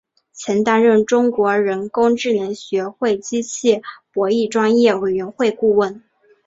曾担任中国人工智能学会机器博弈专业委员会顾问。